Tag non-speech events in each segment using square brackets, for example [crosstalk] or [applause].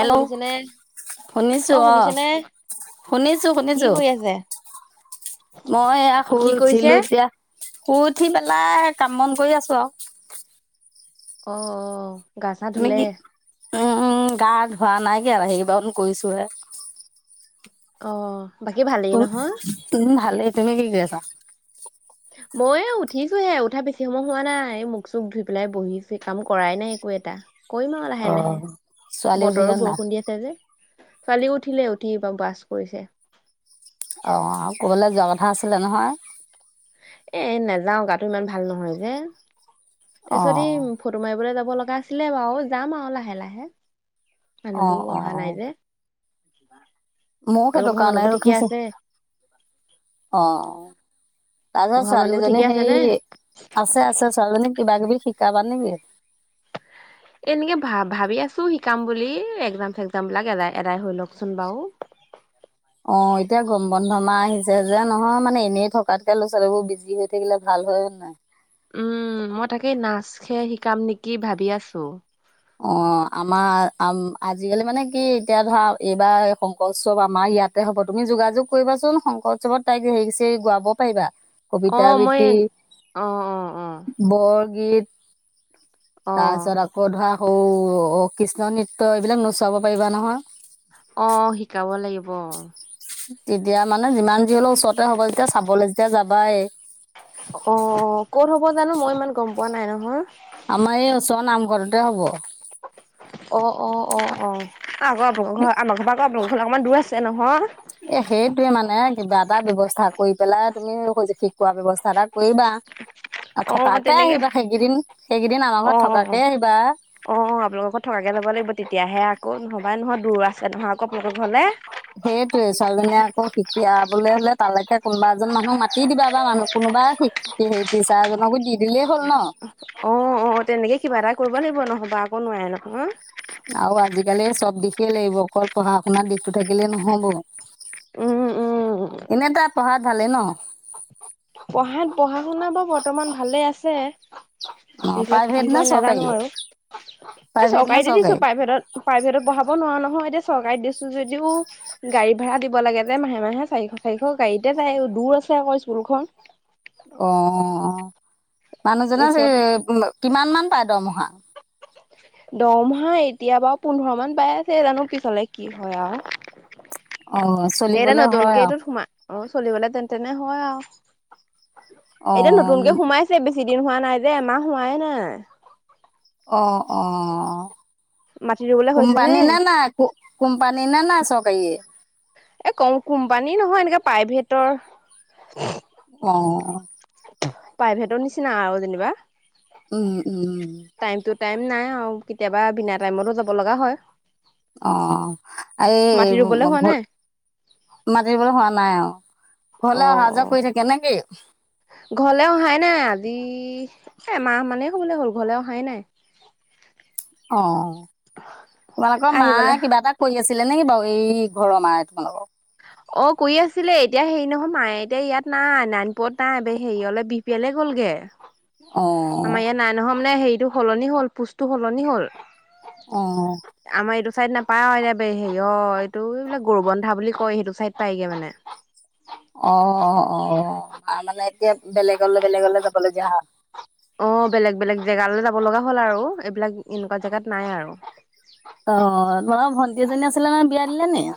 অ শুনিছেনে শুনিছো অ, শুনিছো, কি শুনিছো। কৰি আছে? মই এয়া শুই কি কৰিছে? উঠিলো এতিয়া। শুই উঠি পেলাই কাম বন কৰি আছো আৰু। অ, অ। গা চা ধুলে? অ, উম গা ধোৱা নাই কিয়া আৰু সেইবাৰ কৰিছো হে অ। বাকী ভালেই উ, নহয়? উম ভালেই। তুমি কি কৰি আছা? [unintelligible] মইওঁ উঠিছোহে, উঠা বেছি সময় হোৱা নাই। মুখ চুখ ধুই পেলাই বহিছো কাম কৰাই নাই একো এটা। কৰিম আৰু অ লাহে লাহে ছোৱালী উঠিলে বতৰো নাই বৰষুণ দি আছে যে। ছোৱালী উঠিলে, উঠি বা বাছ কৰিছে। অ ক'বালে যাব হা আছিলে নহয়। এ নাযাও গাতো ইমান ভাল নহয় যে। তাৰ অ পিছত ই ফটো মাৰিবলৈ যাব যাব লগা আছিলে বাৰু যাম আৰু লাহে লাহে। মানু্হবোৰ অহা নাই যে। মও আৰু সেইটো ঘৰৰ কাৰণে মানুহবোৰ ঠিকে ৰখিছো। আছে অ। তাৰপিছত ঘৰৰ মানুহবোৰ ছোৱালীজনী ঠিকে আছে নে? হেই, আছে আছে ছোৱালীজনী কিবা কিবি শিক কাবা নেকি? এনেকে ভা ভাবি আছো শিকাম বুলি, এক্সাম চেগজাম বিলাক এলাই এদাই হৈ লওক। অ এতিয়া গম বন্ধমাহ আহিছে যে, নহয় মানে এনেই থকাতকে ল'ৰা ছোৱালীবোৰ বিজি হৈ থাকিলে ভাল হয় নাই। উম, মই তাকেই নাচ হে শিকাম নেকি ভাবি আছো। অ, আমাৰ আম আজিকালি মানে কি এতিয়া ধৰা এইবাৰ শংকৰ উৎসৱ আমাৰ ইয়াতে হ'ব। তুমি যোগাযোগ কৰিবাচোন শংকৰ উৎসৱত তাইক হেৰিচেৰি গোৱাব পাৰিবা। কবিতা আহ মই আবৃত্তি অ অ অ গ অ তাৰপিছত আকৌ ধৰা অৌ অ কৃষ্ণ নৃত্য এইবিলাক নোচোৱাব পাৰিবা নহয় অ শিকাব লাগিব তেতিয়া মানে যিমান যি হলেও ওচৰতে হ'ব যেতিয়া চাবলৈ যেতিয়া যাবাই অ ক'ত হ'ব জানো মই ইমান গম পোৱা নাই নহয়। আমাৰ এই উচৰ নামঘৰটোত তে হ'ব। অ অ অ অ। [unintelligible] আম ঘৰ পৰা ক দু ঘৰলে অকমান দূৰ আছে। এ নহয়। এ সেইটোৱে মানে কিবা এটা ব্যৱস্থা কৰি পেলাই তুমি স শিকোৱা ব্যৱস্থা এটা কৰিবা। আৰু অ থকাকে তেনেকে আহিবা সেইকেইদিন সেইকেইদিন আমাৰ অ ঘৰত থকাকে আহিবা আহ আপোনালোককৌ থকাকে যাব লাগিব তেতিয়াহে আকৌ নবাই নহয় দূৰ আছে নহয় আকৌ আপোনোকৰ ঘৰলৈ সেইটোয়ে ছোৱালীজনীয়ে আকৌ শিকি বলে হলে তালৈকে কোনোবা এজন মানুহক মাতি দিবা বা মানুহ কোনোবা শ টিচাৰ এজনকো দি দিলেই হ'ল ন অ' অ' তেনেকে কিবা এটা কৰিব লাগিব নহ'বা আকৌ নোৱাৰে নহয় অ আৰু আজিকালি চব দিশেই লাগিব অকল পঢ়া শুনাত দিশতটো থাকিলে নহব উম উম এনে এটা পঢ়াত ভালে ন। পঢ়াত পঢ়া শুনা বাৰ বৰ্তমান ভালে আছে। অ তত প্ৰাইভেট কি নে কয় চৰকাৰী নাজানো আৰু এই প্ৰাইভেট নে চৰকাৰীতে দিছো চৰকাৰী প্ৰাইভেটত প্ৰাইভেটত বঢ়াব নোৱাৰো নহয় এতিয়া। চৰকাৰে দিছো যদিও গাড়ী ভাড়া দিব লাগে যে মাহে মাহে চাৰিশ চাৰিশ গাড়ীতে যায় দূৰ আছে আকৌ স্কুলখন। অ' মানুহজনে সেই ওচৰত কিমান মান পায় দৰমহা? দৰমহা এতিয়া বাৰু পোন্ধৰ মান পাই আছে জানো পিছলে কি হয় আৰু অ এতিয়া 'চলিবলে হয় নতুনকে আৰু এইটোত সোমাই অ' চলিবলে তেন্ত তেনে হয় আৰু এতিয়া নতুনকে অ', সোমাইছে বেছি। ছিদিন হোৱা নাই দেেই মাহ হোৱাই নাই। অ'অ' মাতি ৰুবলে হৈছে নে কোম্পানী নে নাই চৰকাৰীয়ে? এ ক কোম্পানী নহয় এনেকে প্ৰাইভেট। [inaudible] অ' প্ৰাইভেটৰ নিচিনা আৰু যেনিবা। উম -উম টাইম টু টাইম নাই আৰু কেতিয়াবা বিনা টাইমতো যাব লগা হয়। অ' এই মাটি ৰুবলৈ হোৱা ঘ নাই মাতিবলৈ হোৱা নাই আৰু অ'- ঘৰলৈ অহা যোৱা অ', কৰি থাকে নে কি? ঘৰলে অহাই নাই আজি এমাহ মানেই হ'বলৈ হ'ল ঘৰলে অহাই নাই। অ'। তোমালোকৰ আহিবলৈ মায়ে কিবা এটা কৰি আছিলে নেকি বাৰু। এই ঘৰৰ মায়ে তোমালোকৰ অ' কৰি আছিলে এতিয়া হেৰি নহয় মায়ে এতিয়া ইয়াত নাই নাৰায়ণপুৰত নাই হেৰিঅলে বিহপুৰীয়ালে গ'লগে। অ', আমাৰ ইয়াত নাই নহয়। তাৰমানে হেৰিটো সলনি হ'ল পোষ্টটো সলনি হ'ল। অ'। আমাৰ এইটো চাইড নাপাই [unintelligible] হেৰি অ' এইটো এই গৰুবন্ধা বুলি সেইটো চাইড পাইগে মানে। অ অ তাৰমানে এতিয়া বেলেগলৈ বেলেগলৈ যাবলগীয়া হয়। অ' বেলেগ বেলেগ জেগালৈ যাব লগা হ'ল আৰু এইবিলাক এনেকুৱা জেগাত নাই আৰু অ' তোমালোকৰ ভণ্টি এজনী আছে বিয়া দিলেনে নাই?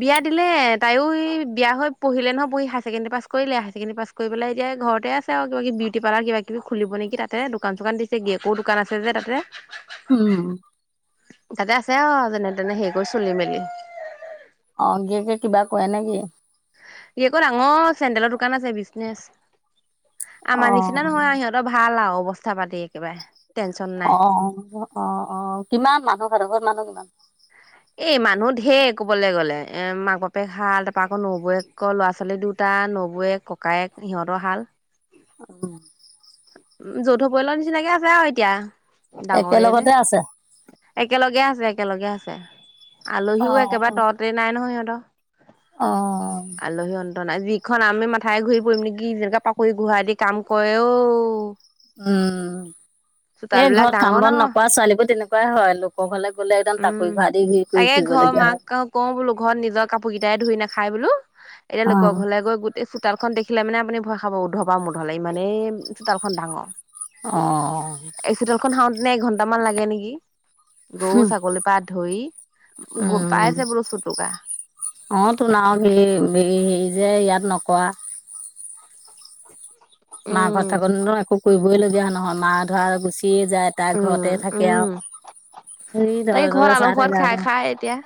বিয়া দিলে তাইয়ো এই বিয়া হৈ পঢ়িলে নহয় পঢ়ি হাই ছেকেন্ডৰী পাছ কৰিলে হাই ছেকেন্ডৰী পাছ কৰি পেলাই এতিয়া ঘৰতে আছে আৰু কিবা কিবি বিউটি পাৰ্লাৰ কিবা কিবি খুলিব নেকি তাতে দোকান চোকান দিছে গিৰিয়েকৰো দোকান আছে যে তাতে। উম। তাতে আছে অ যেনে তেনে সেই কৰি চলি মেলি। অ' গিৰিয়েকে কিবা কৰে নে কি? ই আকৌ ডাঙৰ চেনদেলৰ দোকান আছে বিজনেচ। অ আমাৰ নিচিনা নহয় সিহঁতৰ ভাল আৰু। অৱস্থা পাতি একেবাৰে। টেনচন নাই অ- অ- অ- অ কিমান মানুহ সিহঁতৰ ঘৰত মানুহ কিমান? এ মানুহ ধেৰ ক'বলৈ গ'লে এ মাক বাপেক হাল, তাৰপৰা আকৌ নবৌৱেক ল'ৰা ছোৱালী দুটা নবৌৱেক ককায়েক সিহঁতৰ হাল। [inaudible] যৌথ পৰিয়ালৰ নিচিনাকে আছে আৰু এতিয়া ডাঙৰে যে একেলগতে আছে। একেলগে আছে একেলগে আছে অ আলহীও একেবাৰে ততে নাই নহয় সিহঁতৰ। অ আলহী। যিখন আমি মাথাই ঘূৰি পৰিম নেকি যেনেকৈ টাকুৰি ঘূৰা দি কাম কৰে ঔ। উম এ বিলাক ঘৰত কাম ডাঙৰ বন ডাঙৰ নকৰা ছোৱালীবোৰ তেনেকা হয় লোকস হলে উম তাকে ঘৰ হয়। মাক কওঁ বোলো ঘৰত নিজৰ কাপোৰ কেইটাই ধুই নাখা খাই বোলো! এতিয়াল অ লগৰ ঘলে গৈ গোটেই চ চোতালখন দেখিলে মানে আপুনি ভয় খাব উধ বা মধলে ইমানেই চোতালখন ডাঙৰ। অ' এনে এঘন্টামান লাগে নেকি? গৌ পা ধৰি। উম পাইছে বোলো চুটুকা অ তো নও কি [unintelligible] এই যে ইয়াত নকোৱা মা উম কথা কলোঁ ন একো কৰিবইলগীয়া হয় নহয় মা ধৰা গুচি গুচিয়ে যায় তাৰ উম, ঘৰতে থাকে উম, আৰু হেৰি তাই তলে তলে ঘৰত চাই আলসোৱাত থাকে খাই আকৌ খাই এতিয়া,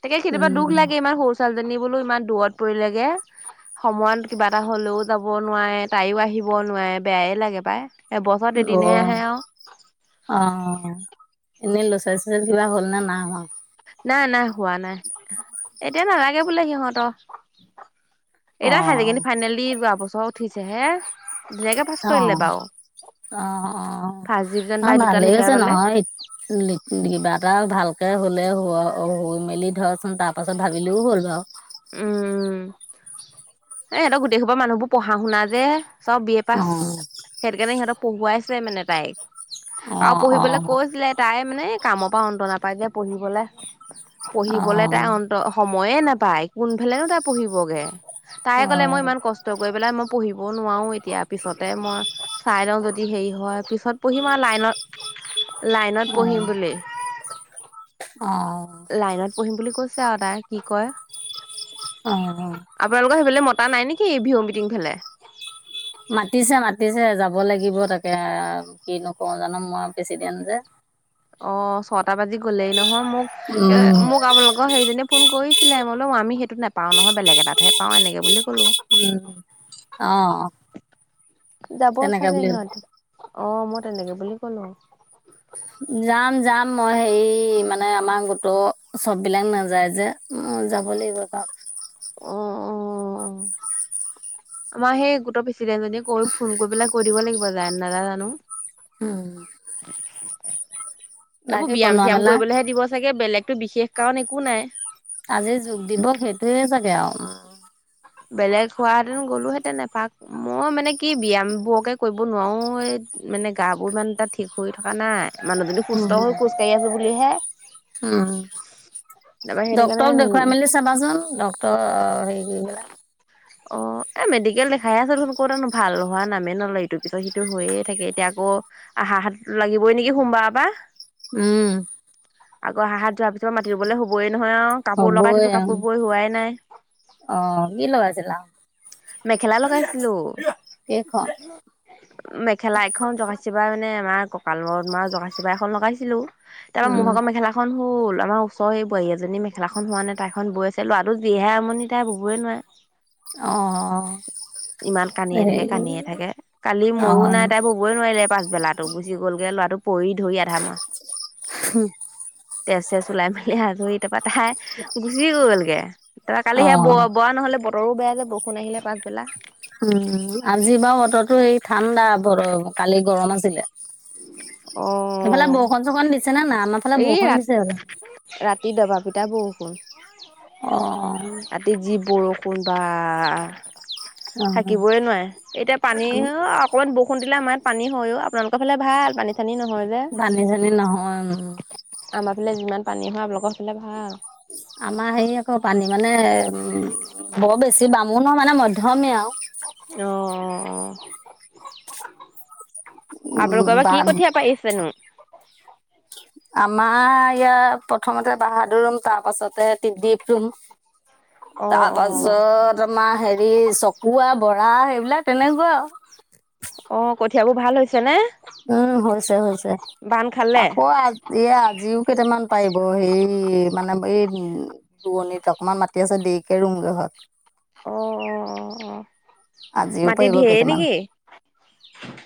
তাকে কেতিয়াবা দুখ উম লাগে ইমান সৰু ছোৱালীজনী বোলো ইমান দূৰত পৰিলেগে সময়ত কিবা এটা হ'লেও যাব নোৱাৰে তাইও আহিব নোৱাৰে বেয়াই লাগে পাই। এবছৰত এদিনহে গৰম, আহে আৰু অ' এনেই লৰা, ছোৱালী কিবা হ'ল নে নাই হোৱা? নাই, নাই হোৱা নাই। এতিয়া নালাগে বোলে সিহঁতক। এতিয়া হাইাৰ অ', ছেকেণ্ডাৰী ফাইনেল দি যোৱাবছৰ উঠিছে হে অ, অ, অ, ফাৰ্ষ্ট ডিভিজন অ, পাই দুটা ভালেই লেটাৰ হৈছে পালে নহয়, কিবা এটা ভাল হোলে, হোৱা, হৈ মেলি ধৰক তাৰ পাছত ভাবিলেও হ'ল বাৰু। উম। এ, সিহতৰ গোটেইসোপা মানুহবোৰ পঢ়া শুনা যে চব বি এ পাছ। অ', সেইটো কাৰণে সিহঁতক পঢ়ুৱাই ছে মানে তাইক। আৰু অ', পঢ়িবলৈ অ', কৈছিলে তাই মানে কামৰ পৰা অন্ত নাপায় যে পঢ়িবলে। অ', পঢ়িবলে তাই অন্ত সময় ময়ে নাপায় কোনফালেনো তাই পঢ়িবগে? তাই অ', কলে, মই ইমান কষ্ট কৰি পেলাই মই পঢ়িব নোৱাৰো এতিয়া। পিছতে মই চাই লওঁ যদি হেৰি হয় পিছত পঢ়িম আৰু লাইনত লাইনত পঢ়িম অ', বুলি। অ', অ', লাইনত পঢ়িম বুলি কৈছে তাই কি কৰে অ', আপোনালোকৰ সেইফালে ম পৰা নাই নেকি? বিহু মিটিং ফালে। মাতিছে মাতিছে যাব লাগিব তাকে, কিনো কৰো জানো। মই প্ৰেচিডেণ্ট জে। অ' ছটা বাজি গলেই নহয়। মোক এ, উম, মোক আপোনালোকৰ সেইজনীয়ে ফোন কৰি ছিলে, ম বোও আমি সেইটো নাপাওঁ নহয়। বেলেগ এটাত হে পাওঁ। এনেকৈ বুলি ক'লো উম, অ'। যাব তেনেকে চাগে বুলি সিহঁতি। অ' মই তেনেকে বুলি কলো। যাম, যাম, মই হেৰি মানে আমাৰ গোটৰ সব বিলাক নাযায় যে। মই যাব লাগিব বাৰু। অ', অ' আমাৰ সেই গোট পি প্ৰেচিডেণ্ট জনীয়ে কৈ ফোন কৰি পেলাই কৈ দিব লাগি [unintelligible] উম। এইবোৰ বাকী ব্যয়াম বনোৱা চিয়াম মেলা কৰিবলৈহে দিব চাগে বেলেগ। এইটো বিশেষ কাৰণ একো নাই। সেইয়ে চাগে আৰু। বেলেগ হোৱাহেতেন গ'লো হেতেন এপাক। মই মানে কি ব্যায়াম বোৰকে কৰিব নোৱাৰো, এই মানে গা বোৰ ইমান এটা ঠিক হৈ থকা নাই। মানুহ যদি উম সুস্থ হৈ খোজকাঢ়ি আছে হে উম তাৰপৰা সেইটো কাৰণে ডক্তটৰক দেখুৱাই মেলি চাবাচোন ডক্তটৰ হ [unintelligible] অ' এ মেডিকেল দেখাইে আছ দেশুন, ক'তানো ভাল হোৱা নামেই নলয়। ইটো পিছত সিটো হৈয়ে থাকে। এতিয়া আকৌ আহা হাত লাগিবই নেকি সোমবাৰৰ পৰা। উম। আগ হাত যোৱাৰ পিছত মাটি ৰুবলৈ হ'বই। নহয় অ' কাপোৰ লগাই হ'বই থৈছো আৰু কাপোৰ বোৰ হোৱাই নাই। অ', কি লগাইছিলা? মেখেলা লগাইছিলো। কেইখন মেখেলা এখন [unintelligible] মানে আমাৰ। ককালত মৰা জকাচিপা এখন লগাইছিলো। তাৰপা উম মোৰভাগৰ মেখেলাখন হ'ল আমাৰ ওচৰ এই বোৱাৰী এজনী মেখেলাখন হোৱা নাই তাই খন বৈ আছিলো আৰু জিহে আমনি তাই বুবয়ে নোৱাৰে। অ ইমান কানিয়ে থাকে হেৰি কানিয়ে থাকে। কালি অ ময়ো নাই তাই বুবই নোৱাৰিলে পাছবেলাতো গুচি গ'লগে ল'ৰাটো। পৰি ধৰি আধা মৰা। তেছ চেজ ওলাই মেলি আজৰি। তাই গুচি গলগে তাৰপৰা কালি অ সেয়া ব- বোৱা নহলে তৰো বেয়া যাব সোন আহিলে পাছবেলা। উম আজি বাাৰু বতৰো সেই ঠাণ্ডা, বৰ কালি গৰম আছিলে। অ সেইফালে বৰষুন চৰষুন দিছে নে নাই? আমাৰ ফালে এই ৰা বৰষুণ দিছে আৰু। ৰাতি দবা পিটা বৰষুণ অ', অ'। কোনবা। অ', থাকিবই নোৱাৰে এতিয়া পানী অকমান বহুত। ফোন দিলে আমাৰাত পানী হয়ও আপোনালোকৰ ফালে ভাল পানী [unintelligible] পানি চানি নহয় উম। এ ফালে যিমান পানী হয় আপোনাৰ লোকৰ ফালে ভাল আমাৰ হেৰি আকৌ পানী মানে উম বৰ বেছি বামু নহ মানে মধ্যমীয়া আৰু। অহ '। উম, আপোনালোকৰ বা কি বাম কঠীয়া পাইিছেনো? আমাৰ ইয়াত প্ৰথমতে বাহাদুৰ ৰুম, তাৰ পাছতে ত্ৰিদিপ ৰুম। অ তাৰ অ পাছত আমাৰ হেৰি, চকুৱা বন ধৰা সেইবিলাক তেনেকুৱা আৰু অহ, কঠিয়াবোৰ ভাল হৈছে নে? উম, হৈছে, হৈছে। বান খালে আকৌ আ, এই আজিও কেইটামান পাৰিব হে, মানে এই উম, দুৱণিত অকমান মাটি আছে। দেৰিকে ৰুমগৈ হয়। অ, অ, অ, অ'। আজি মাটি পাৰিব ঢেৰ কেইটামান। নেকি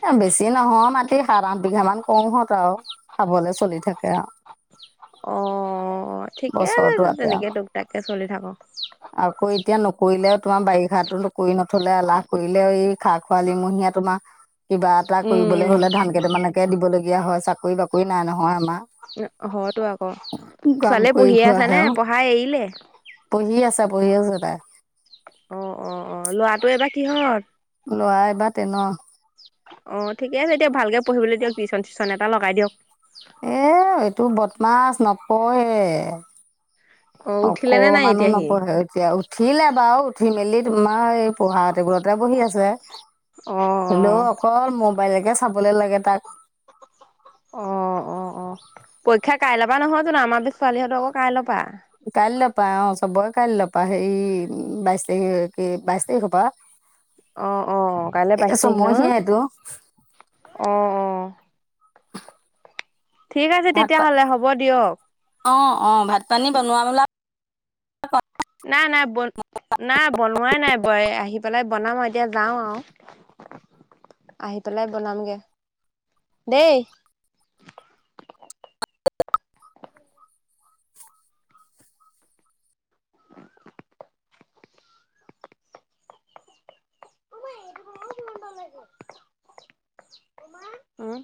এ বেছি নহয় মাটি। সাত, আঠ বিঘা মান কম হত আৰু খাবলে চলি থাকে আৰু। অ ঠিকে বছৰটো আছে আতে তেনেকে আৰু। তোক তাককে চলি থাকক আকৌ এতিয়া নকৰিলেও তোমাৰ বাৰিষাতো কৰী নথলে এলাহ কৰিলে এই খা, খৰালি মহীয়া তোমাৰ কিবা এটা উম কৰিবলৈ হলে ধান কেইটামানকে দিব কৰিব লগীয়া হয়। চাকৰি বাকৰি নাই নহয় আমাৰ হয়তো আকৌ। কাম ছোৱালীয়ে কৰি পঢ়িয়ে আছ খোৱাহে নে? আৰু পঢ়া এৰিলে? পঢ়ি আছে পঢ়ি আছে তাই অ, অ, অ, ল'ৰাটো এইবাৰ কিহঁত? ল'ৰা এইবাৰ তেনৰ। অহ, ঠিকে আছে দিয়ক ভালকে পঢ়িবলৈ দিয়ক টিউচন চিউচন এটা লগাই দিয়ক। এহ, এইটো বদমাছ নপঢ়ে। অ উঠিলে নে নাই অকমানু এতিয়া সি নপঢ়ে এতিয়া। উঠিলে বাৰু উঠি মেলি তোমাৰ এ পঢ়া টেবুলতে বহি আছে। অ হলেও অকল মোবাইলেকে চাবলে লাগে। তাক অ' অ' অ' পৰীক্ষা কাইলৈ পৰা নহয় জানো? আমাৰ ছোৱালীহঁতৰ আকৌ কাইলৈ পৰা। কাইলৈ পৰা অ' চবৰে কাইলৈ পৰা। হেৰি বাইশ তাৰিখ কি বাইশ তাৰিখৰ পৰা। অ' অ কাইলৈ বাইশ তাৰিখ চমহীয়াইটো নহয়। অ' অ'। ঠিক আছে ভাত পা তেতিয়াহ'লে হ'ব দিয়ক। অ' অ' ভাত ত পানী বনোৱা মেলা [inaudible] নাই নাই বন না বনোৱাই নাই। আহি পেলাই বনাম আৰু এতিয়া যাওঁ আৰু আহি পেলাই বনামগে দেই। উ [inaudible] াৰ উ [inaudible]